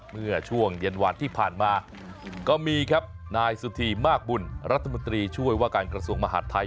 เมื่อช่วงเย็นหวานที่ผ่านมาก็มีครับนายสุธีมากบุญรัฐมนตรีช่วยว่าการกระทรวงมหาดไทย